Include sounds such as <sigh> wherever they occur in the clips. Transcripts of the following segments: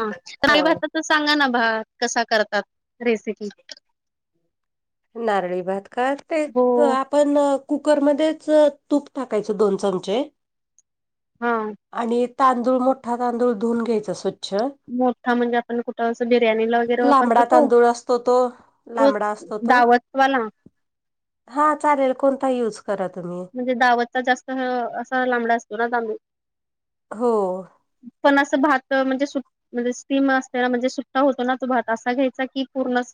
हा राई भाताच सांगा ना भ कसा करतात रेसिपी नारळी भात करते. हो. <unintelligible> आपण कुकरमध्येच तूप टाकायचं दोन चमचे हा आणि तांदूळ मोठा तांदूळ धुऊून घ्यायचा स्वच्छ मोठा म्हणजे आपण कुठं असं बिर्याणीला वगैरे वापरतो लांबडा तो तांदूळ असतो तो तोच लांबडा असतो तो दावतवाल हा चालेल कोणता ही युज करा तुम्ही! म्हणजे दावतचा जास्त असा लांबडा असतो ना तांदूळ. हो. पण असं भात म्हणजे सुट म्हणजे स्टीम असते ना म्हणजे सुट्टा होतो ना तो भात असा घ्यायचा की पूर्ण अस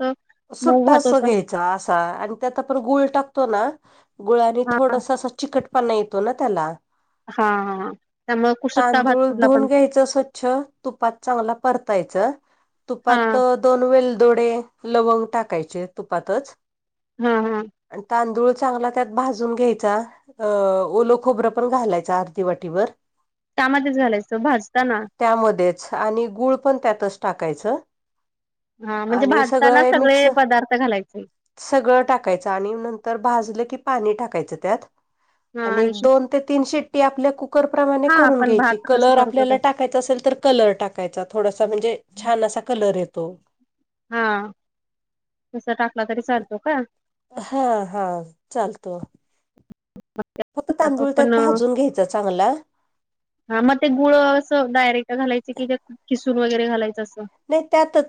मऊ सुट्टा भात अस होता घ्यायचा असा आणि त्यात आपण गुळ टाकतो ना गुळाने हा थोडस अस चिकटपणा येतो ना त्याला हा हा त्यामुळे कुसुट्टा भात तांदूळ कुठला धुून पण घ्यायचं अस स्वच्छ तुपात चांगला परतायचं हा तुपात दोन वेलदोडे लवंग टाकायचे तुपातच हा हा. आणि तांदूळ चांगला त्यात भाजून घ्यायचा अ ओल खोबरं पण घालायचं अर्धी वाटीवर त्यामध्येच घालायचं भाजताना त्यामध्येच आणि गुळ पण त्यातच टाकायचं. हा म्हणजे आणि भाज सगळं हे मिक्स सगळं टाकायचं आणि नंतर भाजलं की पाणी टाकायचं त्यात आणि एक दोन ते तीन शिट्टी आपल्या कुकर प्रमाणे हा करून आपण घ्यायची भात कसं कलर करतो ते आपल्याला टाक टाकायचा असेल तर कलर टाकायचा थोडासा म्हणजे छान असा कलर येतो हा तस टाकला तरी चालतो का? हा हा चालतो. फक्त तांदूळ पण त्यात भाजून घ्यायच चांगला हा मग ते गुळ असं डायरेक्ट घालायचे की त्यात खिसून वगैरे घालायचं असं? नाही त्यातच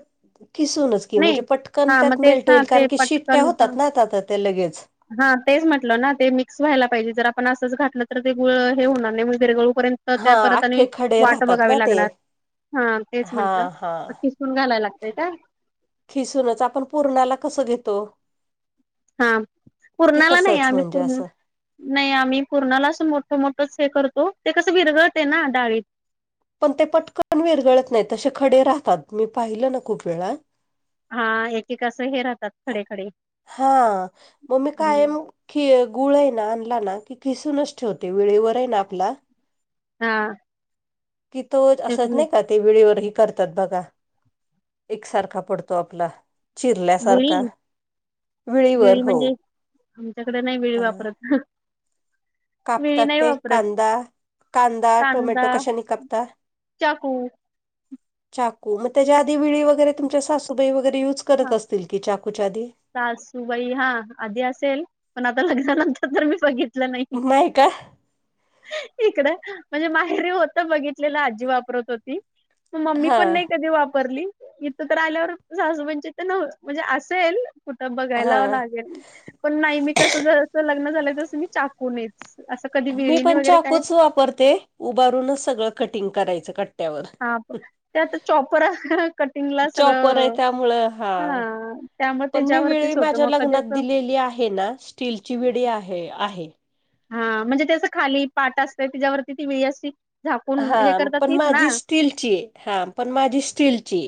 किसूनच की, नाही म्हणजे पटकन हा मग त्यात तेच मेल्ट ना होईल, ते कारण की शिट्ट्या पटकन हा होतात ना, आता ते लगेच हा तेच म्हटलं ना, ते मिक्स व्हायला पाहिजे, जर आपण असंच घातलं, तर ते गुळ हे होणार नाही विरगळूपर्यंत तर हा त्या परत आणि, अख्खे खडे वाट राहतात ना बघावी ते लागणार, हा तेच हा म्हंटलं हा. खिसुन घालाय लागतय काय? खिसूनच, आपण पूरणाला कसं घेतो हा, की पूरणाला नाही, तसंच आम्ही म्हणजे पूर असं. नाही आम्ही पूरणाला असं मोठं मोठच हे करतो, ते कसं विरगळतय ना डाळीत पण ते पटकन विरगळत नाही, तसे खडे राहतात, मी पाहिलं ना खूप वेळा हा एक एक असं हे राहतात खडे खडे हां, मग मी कायम कि गुळ आहे ना आणला ना, खिसूनच ठेवते विळीवर आहे ना आपला हा, की तो, ते असंच तुम्ही नाही का ते विळीवर ही करतात बघा, एकसारखा पडतो आपला विळी चिरल्यासारखा, विळीवर विळी हो म्हणजे आमच्याकडे नाही विळी अ वापरत, हं कापतात ते कांदा, कांदा टोमॅटो कशानी कापता? चाकू, चाकू, मग त्याच्या आधी विळी वगैरे तुमच्या सासूबाई वगैरे युज हा करत असतील की, चाकूच्या आधी सासूबाई हां, आधी असेल पण आता लग्नानंतर तर मी बघित तलं नाही इकडं, म्हणजे माहेरी होतं बघितलेलं आजी वापरत होती म मम्मी हा पण नाही कधी वापरली इथं तर आल्यावर, सासुबांईची तर नव म्हणजे असेल कुठं हा बघायला लागेल, पण नाही मी कसं जसं, लग्न झालं तस मी चाकूनीच अस कधी मी पण चाकूच वापरते, उभारूनच सगळं कटिंग करायचं क हा, ते आता चॉपर कटिंगला चॉपर आहे सगळं त्यामुळं हा त्यामुळे पण मी विळी त्याच्यावरतीच होतं माझ्या मग कधी लग्नात असं दिलेली आहे ना, स्टीलची विळी आहे, आहे हा, म्हणजे ते असं खाली पाट असतय, तिच्यावरती ती विळी असती हा, पण माझी स्टीलची आहे, हा पण माझी स्टीलची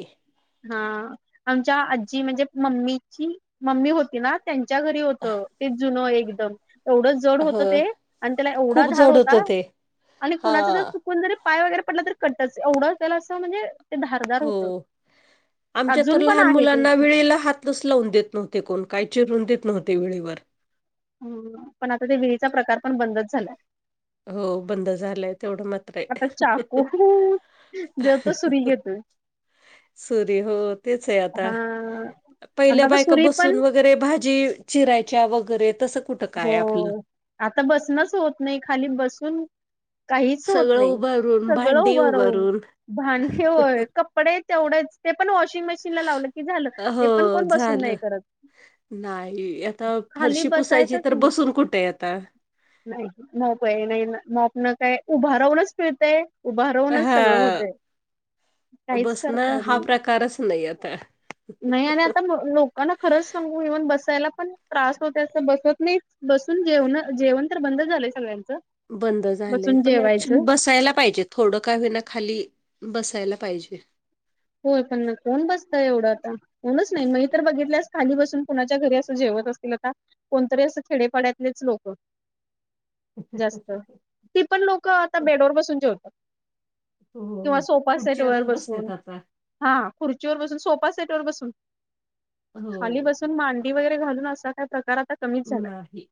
हा, आमच्या आजी म्हणजे मम्मीची मम्मी होती ना त्यांच्या घरी होतं, ते जुनं एकदम एवढं जड आहे हो होतं ते, आणि त्याला एवढा खूप धार जड होता, होतं ते आणि कुणाच जर हा कोण जरी पाय वगैरे पडला तर कटच, एवढं त्याला असं म्हणजे ते धारदार होतं आमच्यात तर अजून पण लहान आहे ते मुलांना विळीला हातच लावून देत नव्हते कोण, काय चिरूच देत नव्हते विळीवर हम्म, पण आता ते विळीचा प्रकार पण बंदच झाला हो बंद झालंय, तेवढं मात्र आता आहे चाकू जेव तो सुरी घेतोय सुरी हो, तेच आहे हा आता, आणि पहिल्या आता बायका सुरी पण बसून व वगैरे भाजी चिरायच्या वगैरे, तसं कुठं हो काय आपलं आता बसनच होत नाही खाली, बसून काहीच होत सगळं नाही, उभारून, सगळं भांडी हुभा राहून उभारून भांडे होय, कपडे तेवढेच, ते पण वॉशिंग मशीनला लावलं की झालं, ते हो पण कोण बसून झालं. नाही <unintelligible> करत नाही, आता खाली फरशी पुसायची बसायचंच तर नाही बसून कुठय आता नाही नकोय नाही ना मॉप न काय उभा राहूनच पिळतंय. उभा राहूनच सगळ हां. होतंय. काहीच करता बसणं येत हा नाही प्रकारच नाही आता. नाही आणि आता मर लोक कांना खरंच सांगू इव्हन बसायला पण त्रास होतोय असं बसत नाहीत. बसून जेवणं जेवण तर बंद झालंय सगळ्यांचं. बंद झालंय बसून पण ऍक्च्युली जेवायचं बसायला पाहिजेत. थोडं काय होईना खाली बसायला पाहिजे. होय पण कोण बसतय एवढं आता. कोणच नाही मी तर बघितल्यास खाली बसून कुणाच्या घरी असं जेवत असतील आता कोणतरी असं खेडेपाड्यातलेच लोक. जास्त ती पण लोक आता बेडवर बसून जेवतात. होय किंवा होय सोफा सेट खुडची वर वरच बसतेत बसून आता. हा खुर्चीवर बसून सोफा सेट वर बसून हो खाली बसून मां डी वगैरे घालून असा काय प्रकार आता कमीच झाला नाही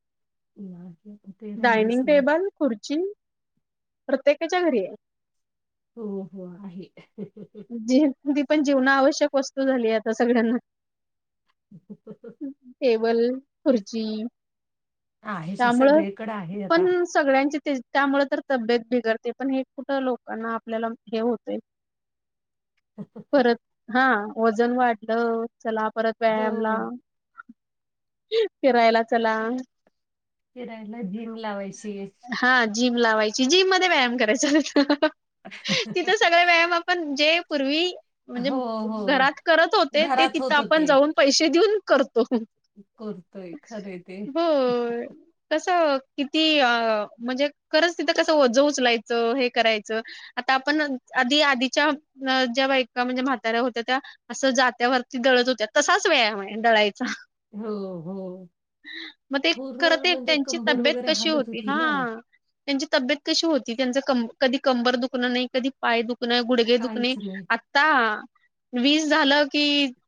नाही ते राहिलच डायनिंग नाही. टेबल खुर्ची प्रत्येकाच्या घरी आहे. हो हो आहे. जी जी पण जीवनावश्यक वस्तू झालीये आता सगळ्यांना. हं हं हं. टेबल, खुर्ची आहेचये त्यामुळं सगळीकडं आहे आ पण सगळ्यांची तेचं त्यामुळे तर तब्येत बिघडते पण हे कुठं लोकांना आपल्याला हे होतय. परत हा वजन वाढलं चला परत हो व्यायामला. फिरायला चला. फिरायला जिम लावायची हा जिम लावायची जिम मध्ये व्यायाम करायचा. हं हं हं पण जे पूर्वी म्हणजे हो घरात करत होते ते घरात तिथं होत आपण ते जाऊन पैसे देऊन करतो करतोय खरे ते होय. कसं किती अ म्हणजे खरंच तिथं कसं वज उचलायचं हे करायचं. आता आपण आधी आधीच्या ज्या बायका म्हणजे म्हाताऱ्या होत्या त्या असं जात्यावरती दळत होत्या तसाच व्यायाम आहे दळायचा. हो. हो. मग ते पूर्ण खर ते म्हणजे त्यांची कंबर तब्येत वगैरे कशी हालत होती हा. ना त्यांची तब्येत कशी होती त्यांच कंब कधी कंबर दुखणं नाही, कधी पाय दुखणं, गुड घे दुकणे काहीच नाही आता वीस झालं की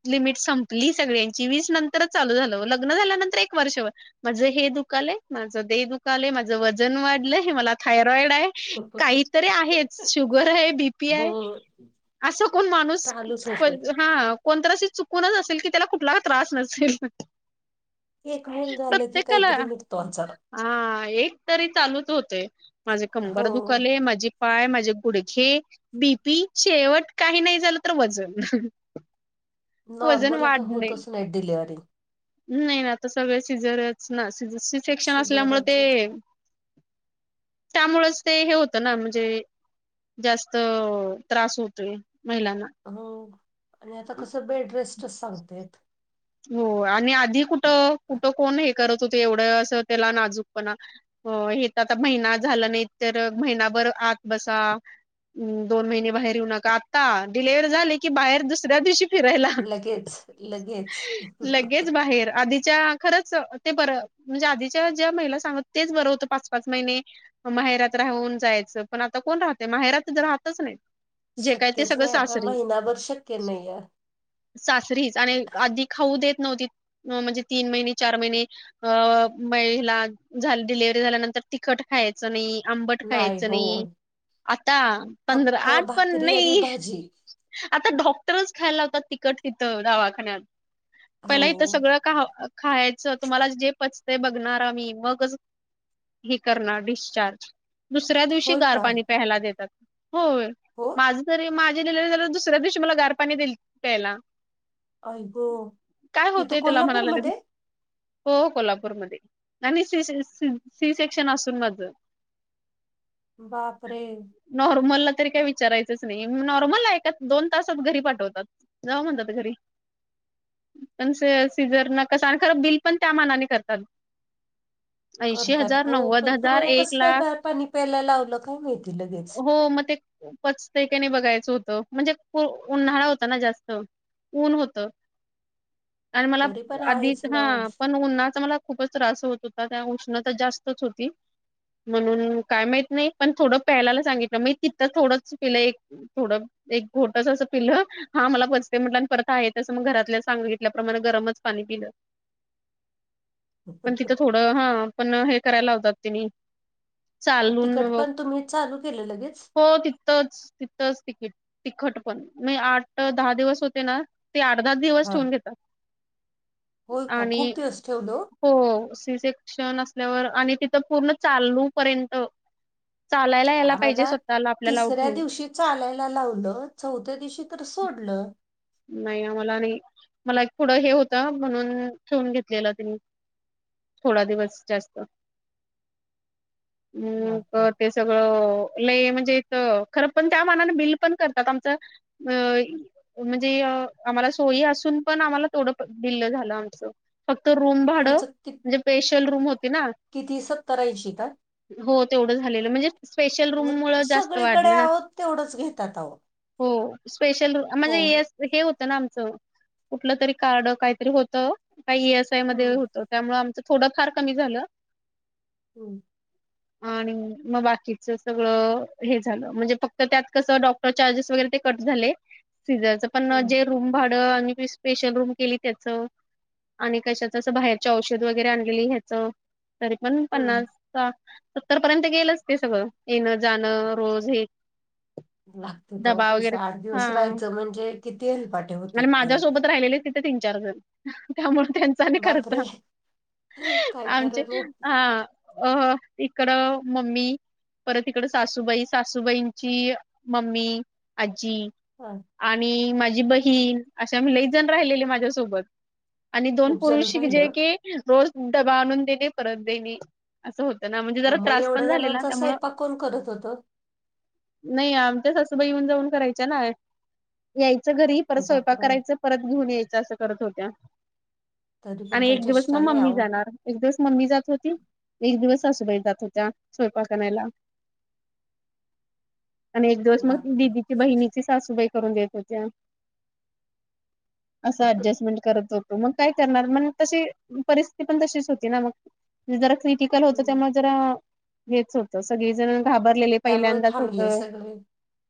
लिमिट संपली सगळ्यांची वीस नंतरच चालू झालं लग्न झाल्यानंतर एक वर्षभर. माझं हे दुखालय, माझं दे दुखालय, माझं वजन वाढलंय, मला थायरॉइड आहे. काहीतरी आहेच. शुगर आहे, बीपी हो आहे. असं कोण माणूस चालूच को होते हा. कोणतर असे चुकूनच असेल की त्याला कुठला त्रास नसेल. एक हाईल झालं की काहीतरी दुखता आ एक तरी चालूचं होतंय माझी कंबर हो दुखाले, माझी पाय, माझे गुडघे, बीपी शेवट काही नाही झालं तर वजन वजन नॉर्मल आता वाढणे. होतच नाही डिलिव्हरी. नाही ना आता सगळं सिझरच ना सिर सेक्शन असल्यामुळे सिझरच ते त्यामुळेच ते हे होतं ना म्हणजे जास्त त्रास होतोय महिलांना. हो आणि आता कसं बेड रेस्टच सांगत्यात. हो आणि आधी कुठं कुठ कोण हे करत होते एवढं असं त्याला नाजूक पणा हो हे तर आता महिना झाला नाही तर महिनाभर आत बसा दोन महिने बाहेर येऊ नका आता डिलिव्हरी झाले की बाहेर दुसऱ्या दिवशी फिरायला लगेच लगेच. लगेच बाहेर आधी च्या खरंच ते बरं म्हणजे आधीच्या ज्या महिला सांगत तेच बरं होतं पाच पाच महिने माहेरात राहून जायचं पण आता कोण राहतय माहेरात राहतच नाहीत. शक्यच नाही आता महिनाभर शक्य नाही हाय. सासरीच आणि आधी खाऊ देत नव्हती म्हणजे तीन महिने चार महिने अ मग ह्याला डिलव्हरी झाल्यानंतर डी तिखट खायचं नाही, आंबट खायचं नाही. आता पंधरा फक्त आठ पण भाकरी आणि नाही भाजी आता डॉक्टरच खायला लावतात तिकट तिथं दवाखान्यात. हो पहिला इथं सगळं ख खायचं तुम्हाला जे पचतय बघणार आम्ही मगच हे करणार डिस्चार्ज. दुसऱ्या दिवशी होय गार का पाणी प्यायला देतात. हो हो माझ तरी मा झ डिलिव्हरी झाली दुसऱ्या दिवशी मला गार पाणी दिलतीत प्यायला. आई गो काय तिथ होतंय त्याला म्हणायला लागलेत कोल्हापूरमध्ये? हो कोल्हापूरमध्ये आणि सी सी सेक्शन असून माझ. <inaudible> बापरे. नॉर्मलला तरी काही विचारायचंच नाही नॉर्मलला एका दोन तासात घरी पाठवतात. जावा म्हणतात घरी. पण सीझर न कस आणि खरं बिल पण त्या मानाने करतात. ऐशी करतात हजार, हो नव्वद पण हजार, तुम्हाला एक कसं काय लाख गा पाणी प्यायला लावलं काय माहिती लगेच हो मग ते पचतय काय नाही बघायचं होतं म्हणजे उन्हाळा होता ना जास्त ऊन होतं आणि मला तरी पण आधीच आहेच ना हा ओ पण उन्हाच मला खूपच त्रास होत होता त्या उष्णता जास्तच होती. म्हणून काय माहित नाही पण थोडं प्यायला सांगितलं मग तिथं थोडंच पिलं एक थोडं एक घोटच असं पिल् हा मला पचते म्हटल आणि परत आहे तसं मग घरातल्या सांगितल्याप्रमाणे गरमच पाणी पिलं पण तिथ थोडं हा पण हे करायला लावतात तिनी चालून तिकट मग पण तुम्ही चालू केलं लगेच हो तिथ च तिथंच तिकीट तिखट पण नाही आठ दहा दिवस होते ना ते आठ दहा दिवस ठेवून घेतात. हो का आणि खूप दिवस ठेवलं ओ. हो सी सेक्शन असल्यावर आणि तिथं पूर्ण चालू पर्यंत चालायला यायला पाहिजे आम्हाला स्वतःला आपल्याला तिसऱ्या उठून. दिवशी चालायला लावलं चौथ्या दिवशी तर सोडलं. नाही आम्हाला नाही मला एक पुढं हे होतं म्हणून ठेवून घेतलेलं तिनी. थोड दिवस जास्त, अं बापरे प ते, सगळं लई म्हणजे एक, खरं पण त्या मानाने बिल पण करतात आमचं. अं म्हणजे, आम्हाला सोयी असून पण आम्हाला तेवढं बिल झालं आमचं. फक्त रूम भाडं, तुमचं कि म्हणजे स्पेशल रूम होती ना. किती सत्तर ऐंशी का हो तेवढं झालेलं, म्हणजे स्पेशल रूम मुळ मग जास्त सगळीकडे वाढलं ना. आहोत तेवढंच घेतात आहो हो. स्पेशल आम हो म्हणजे एस हे होत ना, आमच कुठलं तरी कार्ड काहीतरी होत का? एस त्यामध्ये हम्म होत. त्यामुळे आमच थोडं फार कमी झालं. हं. आणि, मग बाकीच सगळं हे झालं म्हणजे, फक्त त्यात कसं डॉ मग चार्जेस वगैरे काही कट झाले. सिझनच पण हम्म जे रूम भाड अं, आणि स्पेशल रूम केली त्याच आणि कशाच? असं बाहेरचे औषध वगैरे आणलेली ह्याच तरी पण हम्म पन्नास का? सत्तर पर्यंत गेलंच ते सगळं. येण जाणं रोज हे- लागत तेव्हा डबा वगैरे पैसा आठ हा दिवस राहायचं, म्हणजे किती हेल्पाट? आणि, माझ्यासोबत राहिलेले तिथे तीन, चार जण त्यामुळे त्यां चालू बापरे खर्चा काय आमचे खरं नाही हां. अ हं इकड मम्मी परत इकड, सासूबाई सासूबाईंची मम्मी, आजी हा. आणि, माझी बहीण अशा आम्ही लई जण राहिलेल्या माझ्यासोबत आणि दोन खूप जण पुरुष राहिले जे ओ. की, रोज डबा आणून देणे परत देणे. असं होतं ना. म्हणजे जरा मग त्रास एवढ्या पण झालेला ना जणांचा त्यामुळं? स्वयंपाक कोण करत होतं नाही. आमच्या सासूबाई येऊन जाऊन करायच्या ना. यायचं घरी. परत स्वयंपाक बापरे करायचं. परत घेऊन यायचं असं करत होत्या. तरी पण आणि काही एक दिवस चेष्टा मग नाही मम्मी अहो. जाणार. एक दिवस मम्मी जात होती. एक दिवस सासूबाई जात होत्या स्वयंपाक आणायला. एक दिवस मग बापरे दिदीची बहिणीची सासूबाई करून देत होत्या. असे ऍडजस्टमन करत होतो. त मग काय करणार? मग तशी परिस्थिती पण तशीच होती ना मग? ते जरा क्रिटिकल होत. हम्म. त्यामुळे जरा हेच होत सगळेजण घाबरलेले? त्यामुळे पहिल्यांदाच होत थांबले सगळे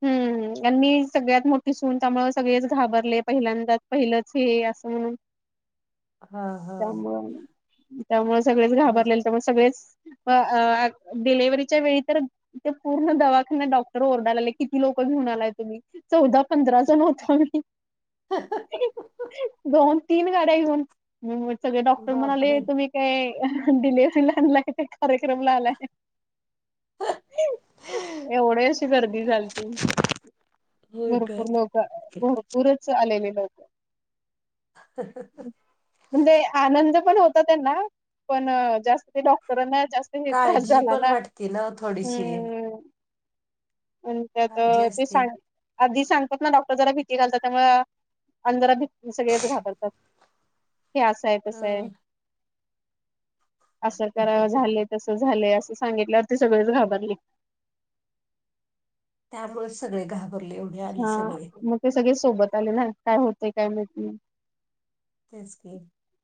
हं आणि मी सगळ्यात मोठ मोठी सून त्यामुळे सगळेच घाबरले. पहिल्यांदाच पहिलंच हे असं म्हणून? हां हां. त्यामुळं त्यामुळे सगळेच घाबरलेले. त्यामुळे सगळेच अं डिलिव्हरीच्या वेळी तर त्या पूर्ण दवाखान्यात डॉक्टर ओरडायला लागले. किती लोक घेऊन आलाय. तुम्ही चौदा पंधरा जण होतो. आम्ही दोन -तीन गाड्या घेऊन मग सगळे डॉक्टर बापरे म्हणाले, तुम्ही काय डिलिव्हरी ला आणलाय का? कार्यक्रमला आलाय? हं हं. एवढी अशी गर्दी झालती. होय तर काय मग, भरपूरच आलेले लोक हं हं. म्हणजे, आनंद पण होता त्यांना, पण जास्त ते डॉक्टरांना जास्त ते त्रास काळजी झाला पण ना, वाटते ना ओ थोडीशी हं. पण, त्यात काळजी ते असते. सां आधी सांग त्यातं डॉक्टर जरा भीती घालतात. त्यामुळे आणि जरा भीती सगळेच घाबरतात. हे असं आहे तसं आहे. ह असं करावं झालेय तसं झालंय असं सांगितल्यावर ते सगळेच घाबरले. त्यामुळे सगळे घा''--'' हा मग ते सगळे सोबत आले ना काय होते काय मात नाही. तेच की,